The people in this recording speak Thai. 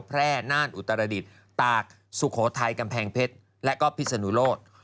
น่านอุตรดิษฐ์ตากสุโขทัยกำแพงเพชรและก็พิศนุโลก